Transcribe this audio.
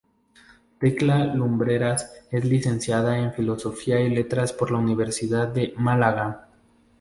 Tecla Lumbreras es licenciada en Filosofía y Letras por la Universidad de Málaga.